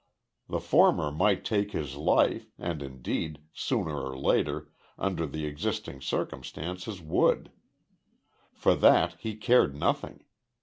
The former might take his life, and indeed sooner or later, under the existing circumstances would. For that he cared nothing.